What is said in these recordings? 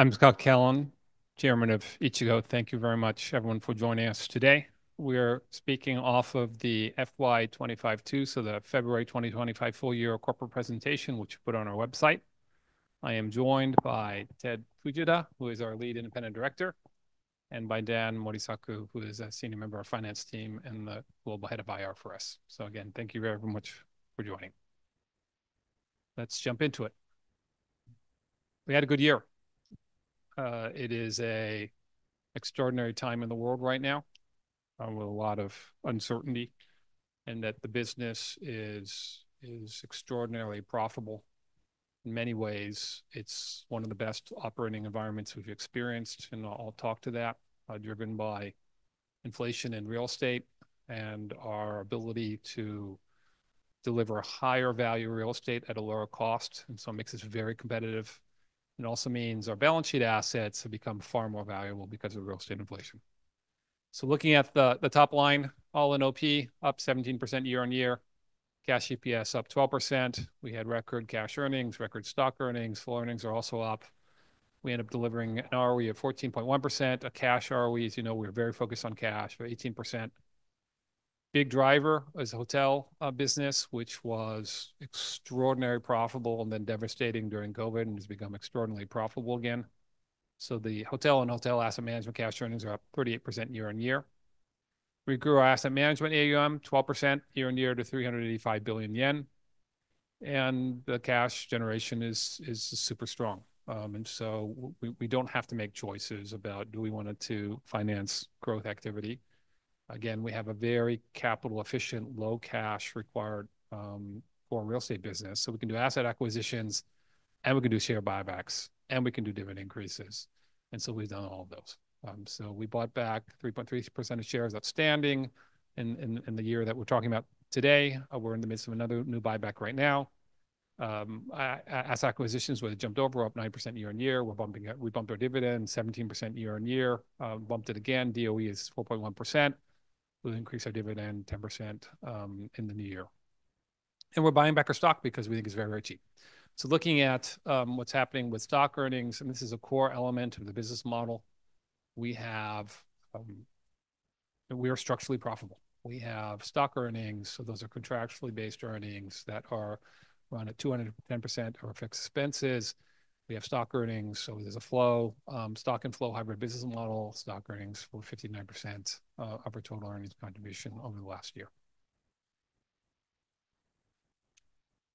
I'm Scott Callon, Chairman of Ichigo. Thank you very much, everyone, for joining us today. We are speaking off of the FY25-2, so the February 2025 Full-Year Corporate Presentation, which we put on our website. I am joined by Ted Fujita, who is our Lead Independent Director, and by Dan Morisaku, who is a Senior Member of Finance Team and the Global Head of IR for us. So again thank you very much for joining. Let's jump into it. We had a good year. It is a extraordinary time in the world right now, with a lot of uncertainty, and that the business is extraordinarily profitable. In many ways, it's one of the best operating environments we've experienced, and I'll talk to that. Driven by inflation in real estate and our ability to deliver higher-value real estate at a lower cost, it makes us very competitive. And also means our balance sheet assets have become far more valuable because of real estate inflation. So looking at the top line, All-in OP, up 17% year on year. Cash EPS up 12%. We had record cash earnings, record stock earnings. Full earnings are also up. We ended up delivering an ROE of 14.1%. A cash ROE, as you know, we're very focused on cash, but 18%. Big driver is hotel business, which was extraordinarily profitable and then devastating during COVID and has become extraordinarily profitable again. So the hotel and hotel Asset Management cash earnings are up 38% year on year. We grew our Asset Management AUM 12% year on year to 385 billion yen, and the cash generation is is super strong. So we do not have to make choices about do we want to finance growth activity. Again, we have a very capital-efficient, low-cash-required foreign real estate business, so we can do asset acquisitions, and we can do share buybacks, and we can do dividend increases. And so we've done all of those. So we bought back 3.3% of shares outstanding in the year that we are talking about today. We are in the midst of another new buyback right now. Asset acquisitions, where they jumped over up 9% year on year. We bumped our dividend 17% year on year, bumped it again. DOE is 4.1%. We will increase our dividend 10% in the new year. We are buying back our stock because we think it is very, very cheap. So looking at what's happening with stock earnings, and this is a core element of the business model, we have and we are structurally profitable. We have stock earnings, so those are contractually based earnings that are run at 210% of our fixed expenses. We have stock earnings, so there's a flow, stock and flow hybrid business model, stock earnings for 59% of our total earnings contribution over the last year.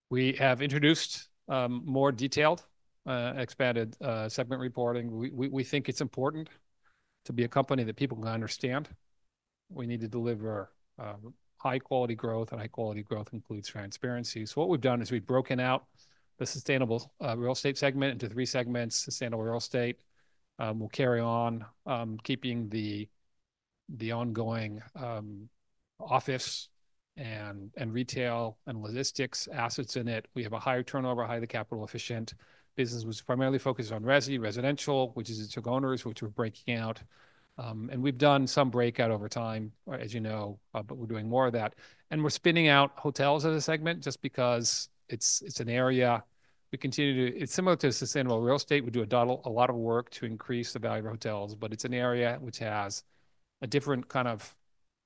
We have introduced more detailed, expanded segment reporting. We we we think it's important to be a company that people can understand. We need to deliver high-quality growth, and high-quality growth includes transparency. So we've done is we've broken out the Sustainable Real Estate segment into three segments: Sustainable Real Estate. We'll carry on keeping the the ongoing office and retail and logistics assets in it. We have a higher turnover, highly capital-efficient business. We're primarily focused on residential, which is its owners, which we're breaking out. And we've done some breakout over time, as you know, but we're doing more of that. And we're spinning out hotels as a segment just because it's an area we continue to—it's similar to Sustainable Real Estate. We do a lot of work to increase the value of hotels, but it's an area which has a different kind of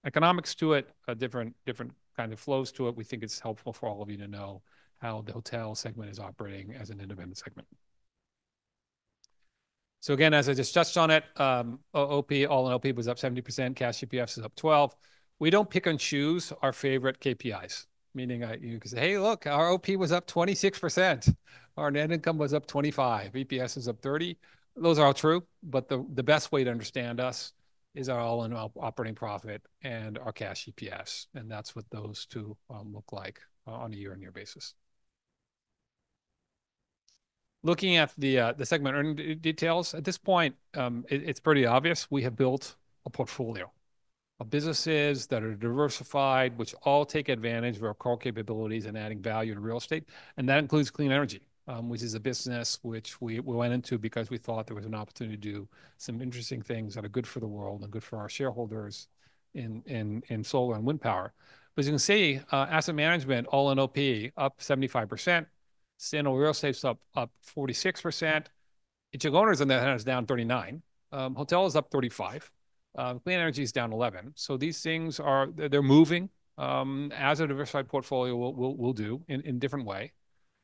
economics to it, a different different kind of flows to it. We think it's helpful for all of you to know how the hotel segment is operating as an independent segment. So again, as I just touched on it, OP All-In OP was up 70%. Cash EPS is up 12%. We don't pick and choose our favorite KPIs, meaning you can say, "Hey, look, our OP was up 26%. Our net income was up 25%. EPS is up 30%. Those are all true, but the best way to understand us is our all-in operating profit and our cash EPS, and that's what those two look like on a year-on-year basis. Looking at the segment earning details, at this point, it's pretty obvious we have built a portfolio of businesses that are diversified, which all take advantage of our core capabilities in adding value to real estate. And that includes Clean Energy, which is a business which we went into because we thought there was an opportunity to do some interesting things that are good for the world and good for our shareholders in in in solar and wind power. As you can see, Asset Management, All-In OP, up 75%. Sustainable Real Estate's up 46%. Ichigo Owners in the headers down 39%. Hotel's up 35%. Clean energy's down 11%. These things are—they're moving. As a diversified portfolio, we'll do in a different way.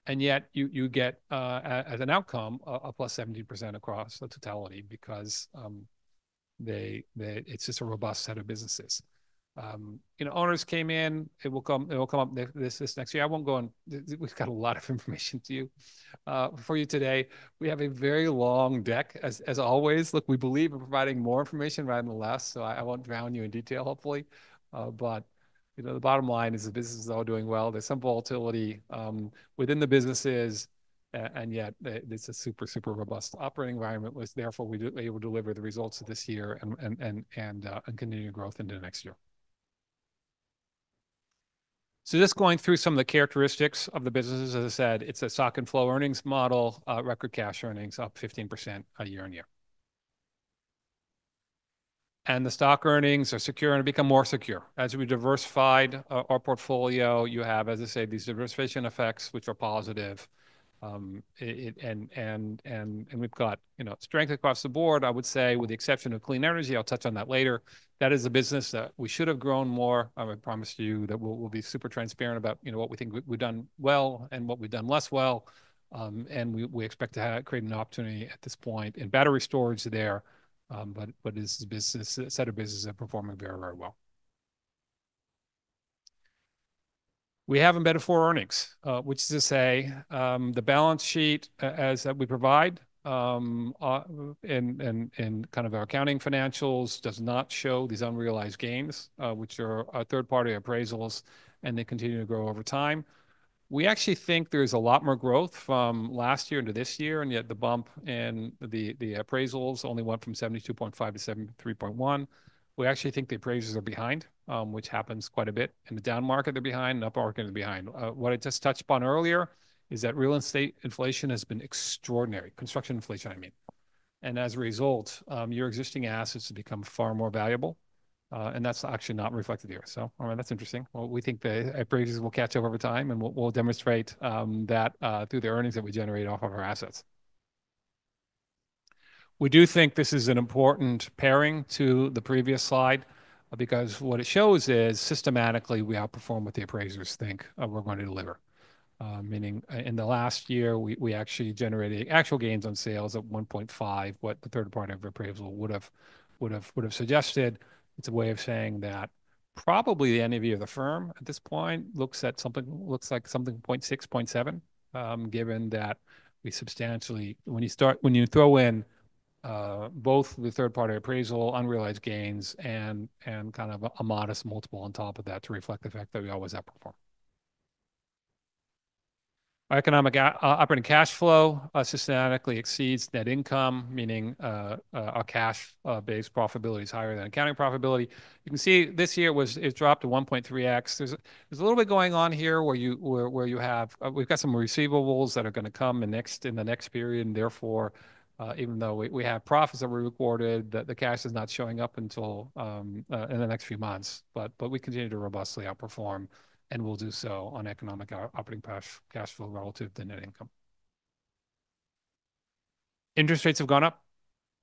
And yet you get, as an outcome, a plus 17% across the totality because it's just a robust set of businesses. You know owners came in. It will come it will come up this next year. I won't go on. We've got a lot of information for you today. We have a very long deck, as always. Look, we believe in providing more information rather than less, so I won't drown you in detail, hopefully. But the bottom line is the business is all doing well. There's some volatility within the businesses, and yet it's a super, super robust operating environment. Therefore, we were able to deliver the results of this year and and and continue growth into the next year. So just going through some of the characteristics of the businesses, as I said, it is a stock and flow earnings model, record cash earnings up 15% year on year. And the stock earnings are secure and have become more secure. As we diversified our portfolio, you have, as I say, these diversification effects, which are positive. And and and we have got you know strength across the board, I would say, with the exception of clean energy. I will touch on that later. That is a business we should have grown more. I promised you that we will be super transparent about what we think we have done well and what we have done less well. And we expect to create an opportunity at this point in battery storage there. Buy but this set of businesses are performing very, very well. We have better our earnings, which is to say the balance sheet, as we provide in in in kind of our accounting financials, does not show these unrealized gains, which are third-party appraisals, and they continue to grow over time. We actually think there's a lot more growth from last year into this year, and yet the bump in in the the appraisals only went from 72.5% to 73.1%. We actually think the appraisals are behind, which happens quite a bit. And the down market, they're behind. In the up market, they're behind. What its just touched upon earlier is that real estate inflation has been extraordinary. Construction inflation, I mean. And as a result, your existing assets have become far more valuable, and that's actually not reflected here. So that's interesting. We think the appraisals will catch up over time, and we'll demonstrate that through the earnings that we generate off of our assets. We do think this is an important pairing to the previous slide because what it shows is systematically we outperform what the appraisers think we're going to deliver. Meaning in the last year, we we actually generated actual gains on sales at 1.5%, what the third-party appraisal would have would have suggested. It's a way of saying that probably the end of year of the firm at this point looks at something looks like something 0.6%, 0.7%, given that we substantially—when you start when you throw in both the third-party appraisal, unrealized gains, and kind of a modest multiple on top of that to reflect the fact that we always outperform. Our economic operating cash flow systematically exceeds net income, meaning our cash-based profitability is higher than accounting profitability. You can see this year was it's dropped to 1.3x. There's a little bit going on here where you have—we've got some receivables that are going to come in the next period. And therefore, even though we have profits that were reported, the cash is not showing up until in the next few months. But we continue to robustly outperform, and we'll do so on economic operating cash flow relative to net income. Interest rates have gone up.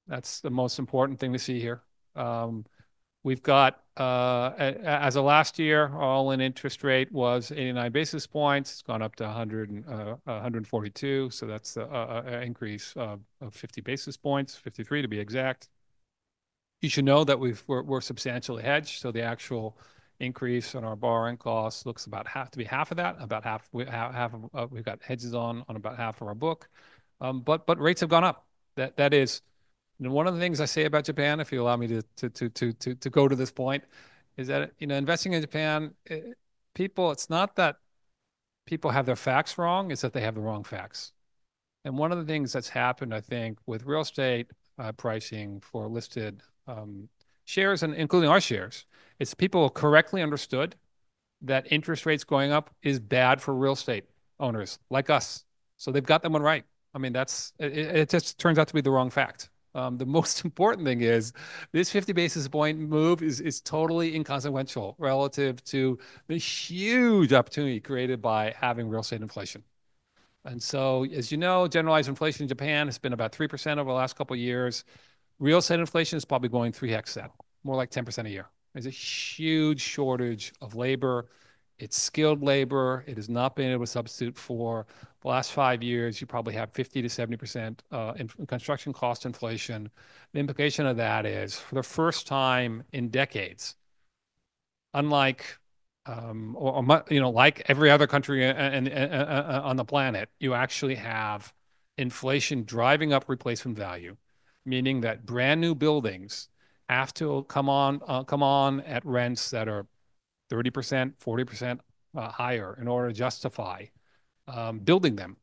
That's the most important thing we see here. We've got, as of last year, all-in interest rate was 89 basis points. It's gone up to 142, so that's an increase of 50 basis points, 53 to be exact. You should know that we're substantially hedged, so the actual increase on our borrowing costs looks about half to be half of that. About half of—we've got hedges on about half of our book. But but rates have gone up. That is, you know one of the things I say about Japan, if you allow me to to to go to this point, is that investing in Japan, people—it's not that people have their facts wrong, it's that they have the wrong facts. And one of the things that's happened, I think, with real estate pricing for listed shares, and including our shares, is people have correctly understood that interest rates going up is bad for real estate owners like us. So they've got that one right. I mean, that just turns out to be the wrong fact. The most important thing is this 50 basis point move is totally inconsequential relative to this huge opportunity created by having real estate inflation. And so as you know, generalized inflation in Japan has been about 3% over the last couple of years. Real estate inflation is probably going 3x that, more like 10% a year. There's a huge shortage of labor. It's skilled labor. It has not been able to substitute for last five years. You probably have 50%-70% construction cost inflation. The implication of that is, for the first time in decades, unlike you know like every other country on the planet, you actually have inflation driving up replacement value, meaning that brand new buildings have to come on at rents that are 30%-40% higher in order to justify building them.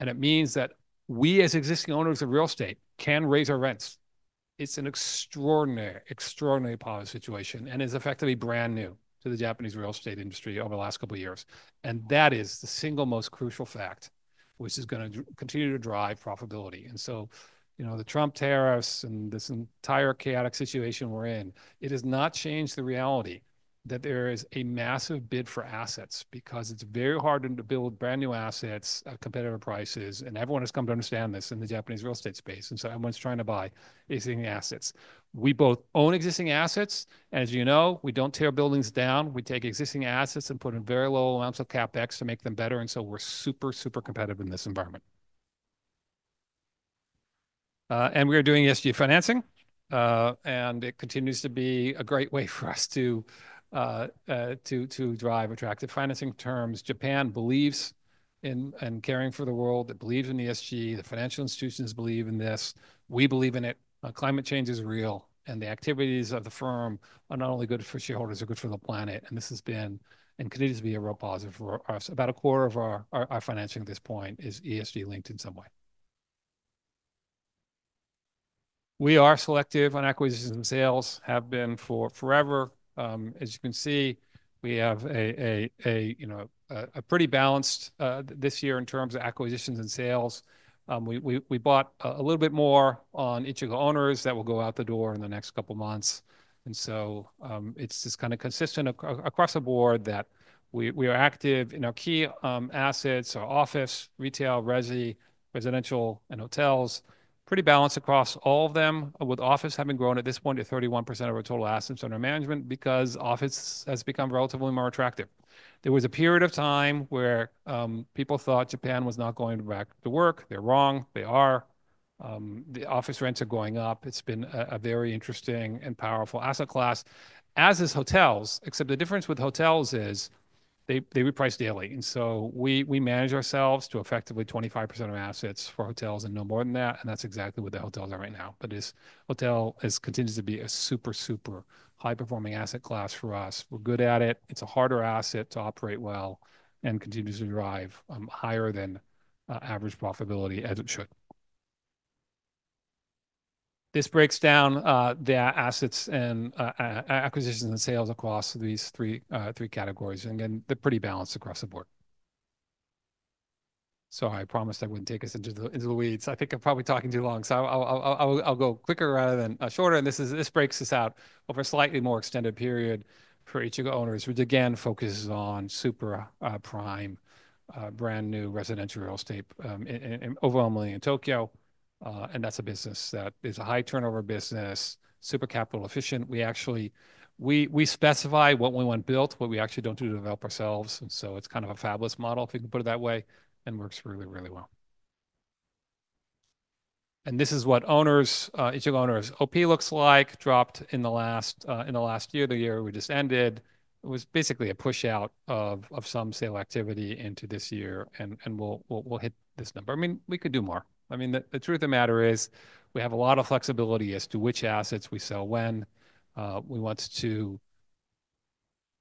And it means that we, as existing owners of real estate, can raise our rents. It's an extraordinary, extraordinary positive situation and is effectively brand new to the Japanese real estate industry over the last couple of years. And that is the single most crucial fact, which is gonna continue to drive profitability. The Trump tariffs and this entire chaotic situation we're in, it has not changed the reality that there is a massive bid for assets because it's very hard to build brand new assets at competitive prices, and everyone has come to understand this in the Japanese real estate space. And so everyone's trying to buy existing assets. We both own existing assets, as you know, we don't tear buildings down. We take existing assets and put in very low amounts of CapEx to make them better. And so we're super, super competitive in this environment. And we're doing ESG financing, and it continues to be a great way for us to drive attractive financing terms. Japan believes in caring for the world. It believes in ESG. The financial institutions believe in this. We believe in it. Climate change is real, and the activities of the firm are not only good for shareholders, they're good for the planet. And this has been and continues to be a real positive for us. About a quarter of our financing at this point is ESG-linked in some way. We are selective on acquisitions and sales, have been for forever. As you can see, we have a a a pretty balanced this year in terms of acquisitions and sales. We we we bought a little bit more on Ichigo Owners that will go out the door in the next couple of months. And so it's just kind of consistent across the board that we are active in our key assets, our office, retail, residential, and hotels. Pretty balanced across all of them, with office having grown at this point to 31% of our total assets under management because office has become relatively more attractive. There was a period of time where people thought Japan was not going back to work. They're wrong. They are. The office rents are going up. It's been a very interesting and powerful asset class, as is hotels, except the difference with hotels is they reprice daily. And so we manage ourselves to effectively 25% of assets for hotels and no more than that. And that's exactly what the hotels are right now. This hotel continues to be a super, super high-performing asset class for us. We're good at it. It is a harder asset to operate well and continues to drive higher than average profitability as it should. This breaks down the assets and acquisitions and sales across these three categories. And again, they are pretty balanced across the board. Sorry, I promised I would not take us into the weeds. I think I'm probably talking too long, so I'll go quicker rather than shorter. This breaks us out over a slightly more extended period for Ichigo Owners, which again focuses on super prime, brand new residential real estate, overwhelmingly in Tokyo. And that's a business this is a high turnover business, super capital efficient. We actually we we specify what we want built, what we actually don't do to develop ourselves. So it's kind of a fabulous model, if you can put it that way, and works really, really well. This is what owners Ichigo Owners OP looks like, dropped in the last year, the year we just ended. It was basically a push out of of some sale activity into this year, and we'll we'll hit this number. I mean, we could do more. I mean, the truth of the matter is we have a lot of flexibility as to which assets we sell when. We want to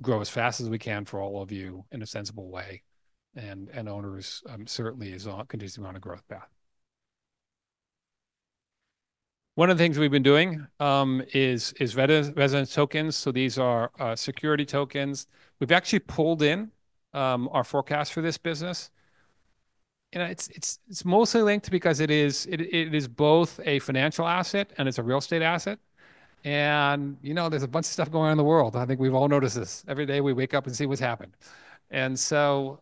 grow as fast as we can for all of you in a sensible way. And and Owners certainly is continuing on a growth path. One of the things we've been doing is is resident tokens. So these are security tokens. We've actually pulled in our forecast for this business. And it's it's mostly linked because it is both a financial asset and it is a real estate asset. And you know there is a bunch of stuff going on in the world. I think we've all noticed this. Every day we wake up and see what's happened. And so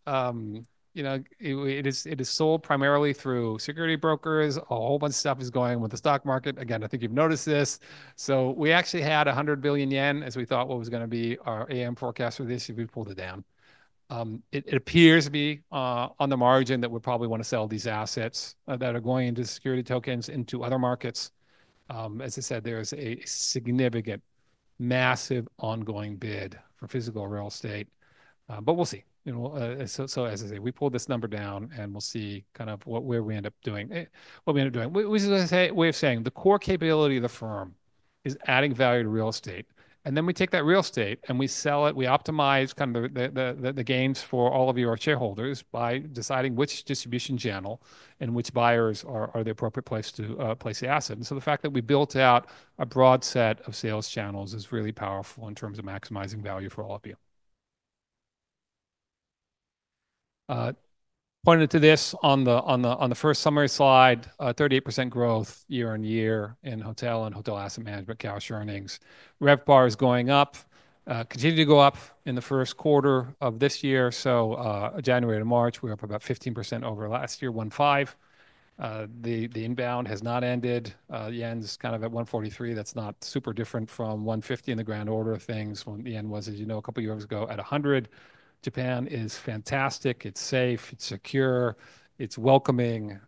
you know it is it is sold primarily through security brokers. A whole bunch of stuff is going with the stock market. Again I think you've noticed this. We actually had 100 billion yen, as we thought what was going to be our AUM forecast for this, if we pulled it down. It appears to be on the margin that we probably want to sell these assets that are going into security tokens into other markets. As I said, there is a significant, massive ongoing bid for physical real estate. But we'll see. You know as I say, we pulled this number down, and we'll see kind of where we end up doing what we end up doing. We are just going to say, the core capability of the firm is adding value to real estate. And then we take that real estate and we sell it. We optimize kind of the gains for all of your shareholders by deciding which distribution channel and which buyers are are the appropriate place to place the asset. So the fact that we built out a broad set of sales channels is really powerful in terms of maximizing value for all of you. Pointed to this on the on the first summary slide, 38% growth year on year in hotel and hotel Asset Management cash earnings. RevPAR is going up, continued to go up in the Q1 of this year. So January to March, we are up about 15% over last year, ONE5. The inbound has not ended. The yen is kind of at 143. That is not super different from 150 in the grand order of things. The yen was, as you know, a couple of years ago at 100. Japan is fantastic. It's safe. It's secure. It's welcoming.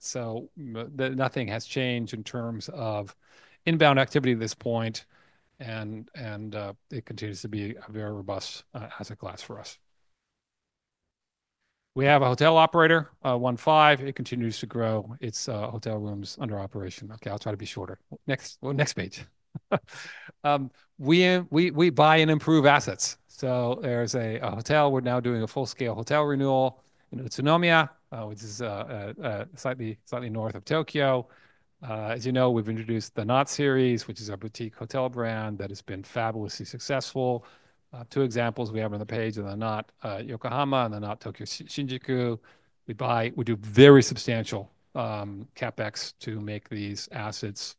So there nothing has changed in terms of inbound activity at this point. And and it continues to be a very robust asset class for us. We have a hotel operator, ONE5. It continues to grow. It's hotel rooms under operation. Okay, I'll try to be shorter. Next wext page. We've we buy and improve assets. So there's a hotel. We're now doing a full-scale hotel renewal in Utsunomiya, which is slightly north of Tokyo. As you know, we've introduced The Knot series, which is our boutique hotel brand that has been fabulously successful. Two examples we have on the page are The Knot Yokohama and The Knot Tokyo Shinjuku. We buy we do very substantial CapEx to make these assets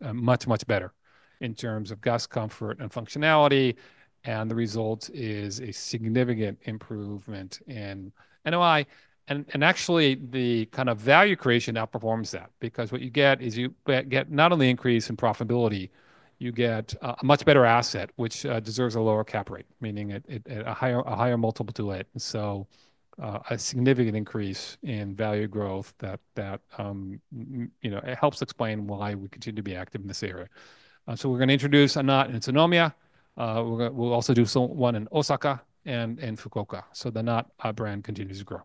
much, much better. In terms of guest comfort and functionality, and the result is is significant improvement in NOI. And actually, the kind of value creation outperforms that because what you get is you get not only an increase in profitability, you get a much better asset, which deserves a lower cap rate, meaning a higher a higher multiple to it. So a significant increase in value growth that that you know helps explain why we continue to be active in this area. And so se are going to introduce a Knot in Utsunomiya. We'll also do one in Osaka and Fukuoka. So The Knot brand continues to grow.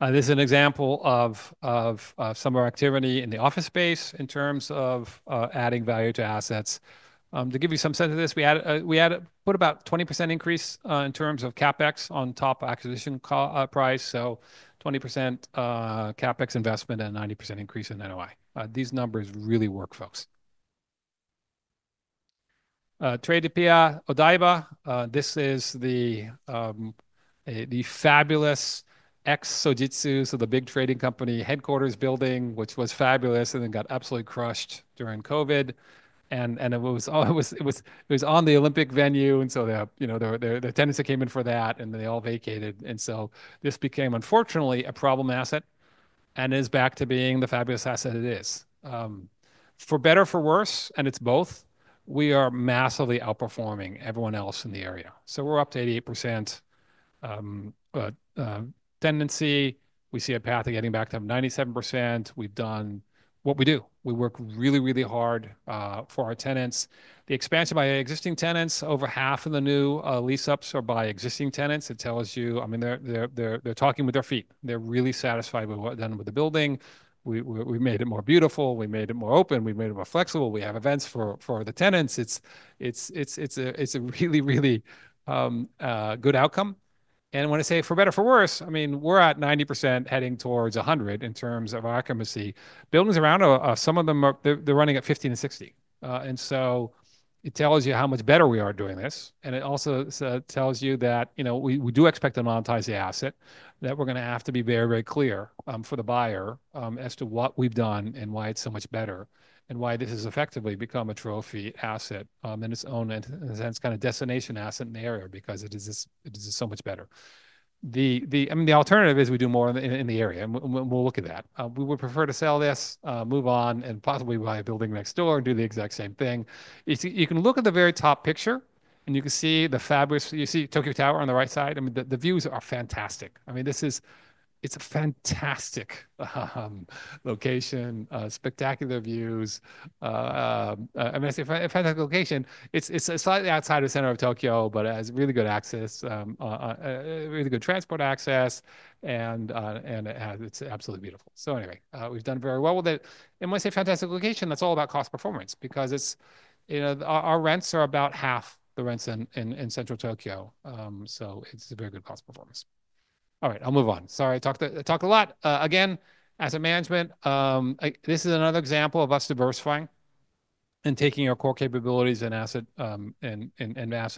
And this is an example of of some of our activity in the office space in terms of adding value to assets. To give you some sense of this, we added we added what about 20% increase in terms of CapEx on top of acquisition price. So 20% CapEx investment and 90% increase in NOI. These numbers really work, folks. Trade Pia Odaiba. This is the fabulous ex-Sojitz, so the big trading company headquarters building, which was fabulous and then got absolutely crushed during COVID. And and it was on the Olympic venue. The tenants that came in for that, and they all vacated. And so this became, unfortunately, a problem asset and is back to being the fabulous asset it is. For better for worse, and it's both, we are massively outperforming everyone else in the area. So we are up to 88% tenancy. We see a path of getting back to 97%. We have done what we do. We work really, really hard for our tenants. The expansion by existing tenants, over half of the new lease-ups are by existing tenants. It tells you, I mean, they're they're talking with their feet. They are really satisfied with what is done with the building. We have made it more beautiful. We made it more open. We made it more flexible. We have events for the tenants. It's it's it's a really, really good outcome. And I wanna say, for better for worse, I mean, we are at 90% heading towards 100 in terms of our accuracy. Buildings around, some of them are, they're running at 50 and 60. And so it tells you how much better we are doing this. And it also tells you that we do expect to monetize the asset, that we're going to have to be very, very clear for the buyer as to what we've done and why it's so much better and why this has effectively become a trophy asset in its own sense, kind of destination asset in the area because it is so much better. The the and the alternative is we do more in the area. We'll look at that. We would prefer to sell this, move on, and possibly buy a building next door and do the exact same thing. You can look at the very top picture, and you can see the fabulous, you see Tokyo Tower on the right side. I mean, the views are fantastic. I mean, it's a fantastic location, spectacular views. I mean, I say fantastic location. It's slightly outside of the center of Tokyo, but has really good access, really good transport access, and it's absolutely beautiful. So anyway, we've done very well with it. And when I say fantastic location, that's all about cost performance because our rents are about half the rents in central Tokyo. So tt's a very good cost performance. All right, I'll move on. Sorry, I talked a lot. Again, Asset Management, this is another example of us diversifying and taking our core capabilities and asset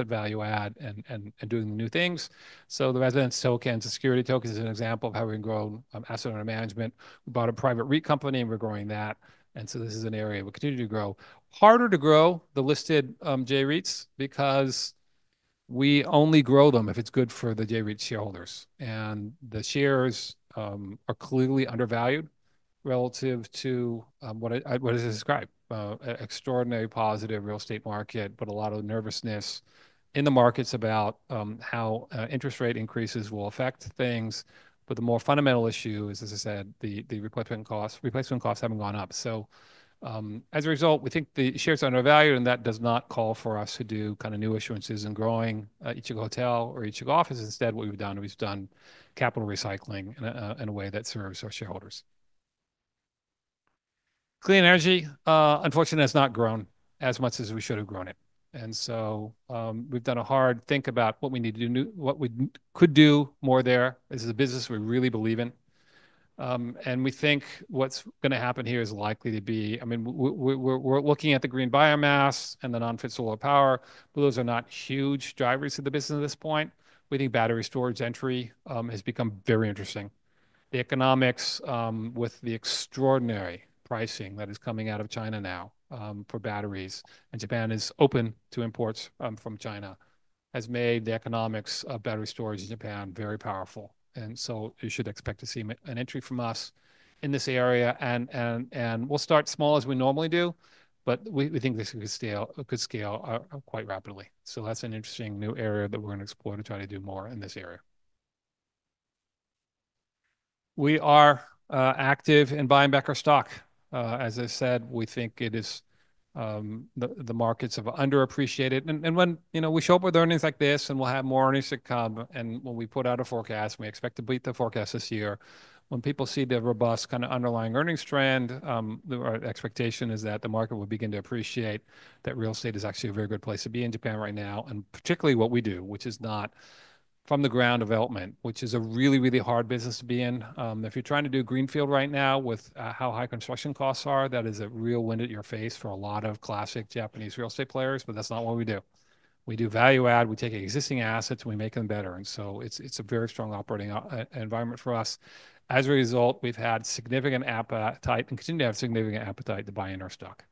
value add and doing the new things. So the resident tokens and security tokens is an example of how we can grow assets under management. We bought a private REIT company, and we're growing that. This is an area we continue to grow. Harder to grow the listed J-REITs because we only grow them if it's good for the J-REIT shareholders. And the shares are clearly undervalued relative to what is described, extraordinary positive real estate market, but a lot of nervousness in the markets about how interest rate increases will affect things. But the more fundamental issue is, as I said, the replacement costs replacement costs have'nt gone up. As a result, we think the shares are undervalued, and that does not call for us to do kind of new issuances and growing Ichigo Hotel or Ichigo Offices instead. What we've done is we've done capital recycling in a way that serves our shareholders. Clean energy, unfortunately, has not grown as much as we should have grown it. And so we've done a hard think about what we need to do, what we could do more there. This is a business we really believe in. And we think what's gonna happen here is likely to be, I mean, we're looking at the green biomass and the non-FIT solar power, but those are not huge drivers of the business at this point. We think battery storage entry has become very interesting. The economics with the extraordinary pricing that is coming out of China now for batteries, and Japan is open to imports from China, has made the economics of battery storage in Japan very powerful. And so you should expect to see an entry from us in this area. And and and we'll start small as we normally do, but we think this could scale quite rapidly. So that's an interesting new area that we're going to explore to try to do more in this area. We are active in buying back our stock. As I said, we think it is the the markets have underappreciated. And then when we show up with earnings like this, and we will have more earnings to come, and when we put out a forecast, we expect to beat the forecast this year, when people see the robust kind of underlying earnings trend, our expectation is that the market will begin to appreciate that real estate is actually a very good place to be in Japan right now, and particularly what we do, which is not from the ground development, which is a really, really hard business to be in. If you are trying to do greenfield right now with how high construction costs are, that is a real wind at your face for a lot of classic Japanese real estate players, but that is not what we do. We do value add. We take existing assets we make them better. It is a very strong operating environment for us. As a result, we have had significant appetite and continue to have significant appetite to buy in our stock.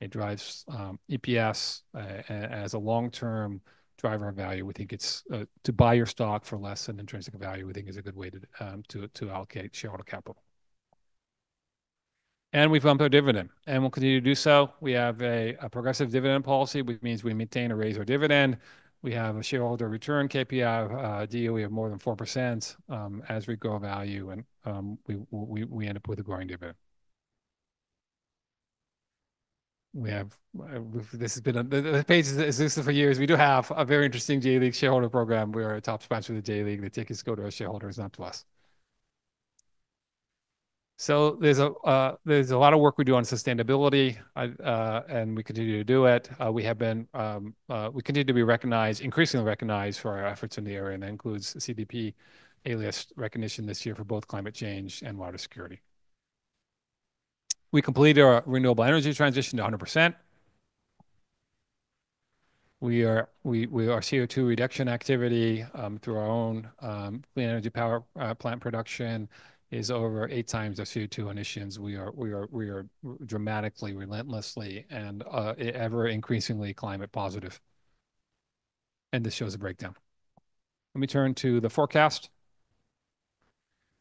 It drives EPS as a long-term driver of value. We think it is to buy your stock for less than intrinsic value. We think it is a good way to allocate shareholder capital. And we've bumped our dividend, and we will continue to do so. We have a progressive dividend policy, which means we maintain or raise our dividend. We have a shareholder return KPI of DOE of more than 4% as we grow value, and we end up with a growing dividend. We have this, a page that exists for years. We do have a very interesting J.League shareholder program. We are a top sponsor of the J.League. The tickets go to our shareholders, not to us. So there is a lot of work we do on sustainability, and we continue to do it. We have been we continue to be recognized, increasingly recognized for our efforts in the area, and that includes CDP recognition this year for both climate change and water security. We completed our renewable energy transition to 100%. We our our CO2 reduction activity through our own clean energy power plant production is over eight times our CO2 emissions. We are we are we are dramatically, relentlessly, and ever-increasingly climate positive. And this shows a breakdown. Let me turn to the forecast.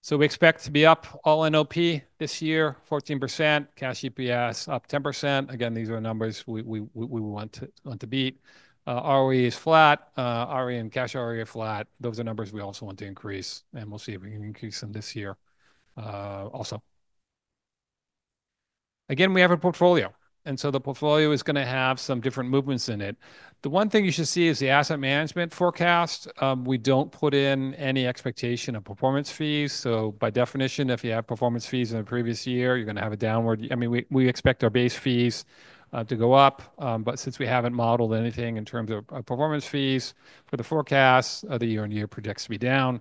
So we expect to be up all in OP this year, 14%. Cash EPS up 10%. Again, these are numbers we want to beat. ROE is flat. ROE and cash ROE are flat. Those are numbers we also want to increase, and we will see if we can increase them this year also. Again, we have a portfolio, and so the portfolio is going to have some different movements in it. The one thing you should see is the Asset Management forecast. We don't put in any expectation of performance fees. So by definition, if you have performance fees in the previous year, you are going to have a downward. I mean, we expect our base fees to go up, but since we haven't modeled anything in terms of performance fees for the forecast, the year-on-year projects to be down.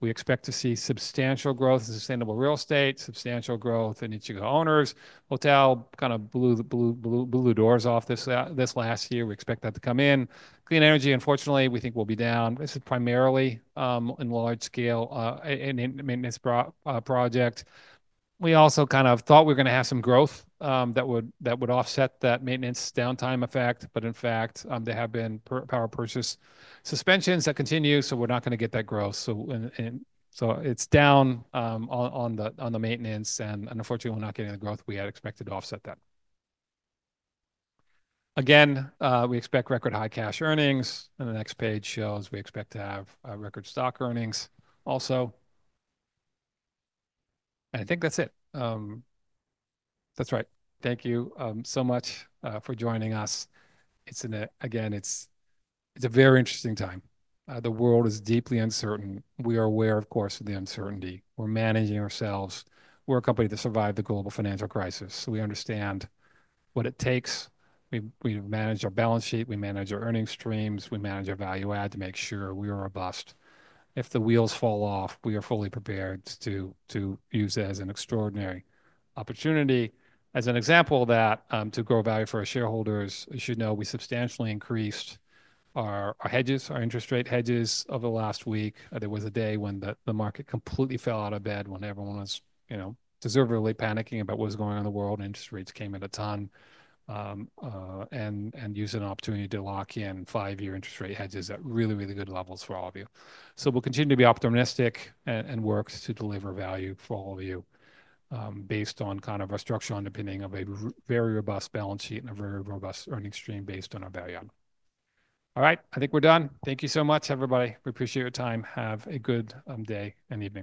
We expect to see substantial growth in Sustainable Real Estate, substantial growth in Ichigo Owners. Hotel kind of blew the doors off this last year. We expect that to come in. Clean energy, unfortunately, we think will be down. This is primarily in large-scale maintenance project. We also kind of thought we were going to have some growth that would that would offset that maintenance downtime effect, but in fact, there have been power purchase suspensions that continue, so we're not going to get that growth. So so it's down on the maintenance, and unfortunately, we're not getting the growth we had expected to offset that. Again, we expect record high cash earnings. The next page shows we expect to have record stock earnings also. I think that's it. That's right. Thank you so much for joining us. It's again, it's a very interesting time. The world is deeply uncertain. We are aware, of course, of the uncertainty. We're managing ourselves. We're a company that survived the global financial crisis. We understand what it takes. We manage our balance sheet. We manage our earnings streams. We manage our value add to make sure we are robust. If the wheels fall off, we are fully prepared to use it as an extraordinary opportunity. As an example of that, to grow value for our shareholders, as you know, we substantially increased our hedges, our interest rate hedges over the last week. There was a day when the market completely fell out of bed when everyone was deservedly panicking about what was going on in the world. Interest rates came at a ton and used an opportunity to lock in five-year interest rate hedges at really, really good levels for all of you. So we will continue to be optimistic and work to deliver value for all of you based on kind of our structure underpinning of a very robust balance sheet and a very robust earnings stream based on our value add. All right, I think we're done. Thank you so much, everybody. We appreciate your time. Have a good day and evening.